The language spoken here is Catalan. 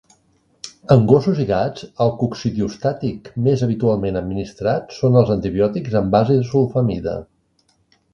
En gossos i gats, el coccidiostàtic més habitualment administrat són els antibiòtics amb base de sulfamida.